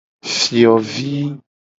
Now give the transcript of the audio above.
Fiovi.